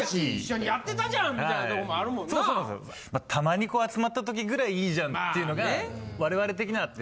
たまに集まった時ぐらい良いじゃんっていうのが我々的にはあって。